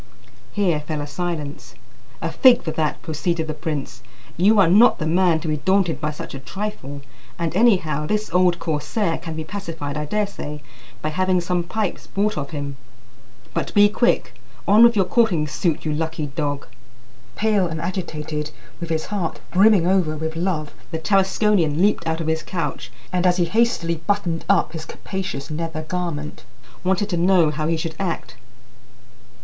Here fell a silence. "A fig for that!" proceeded the prince; "you are not the man to be daunted by such a trifle; and, anyhow, this old corsair can be pacified, I daresay, by having some pipes bought of him. But be quick! On with your courting suit, you lucky dog!" Pale and agitated, with his heart brimming over with love, the Tarasconian leaped out of his couch, and, as he hastily buttoned up his capacious nether garment, wanted to know how he should act.